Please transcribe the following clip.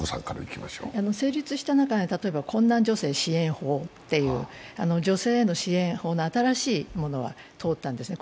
成立した中で困難女性支援法という女性への支援法の新しいものは通ったんですね。